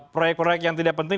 proyek proyek yang tidak penting